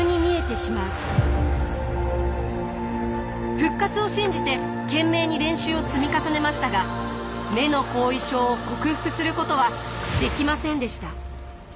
復活を信じて懸命に練習を積み重ねましたが目の後遺症を克服することはできませんでした。